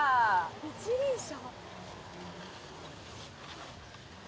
一輪車？